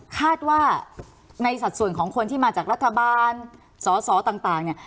คาดว่าในสัดส่วนของคนที่มาจากรัฐบาลสอสอต่างเนี่ย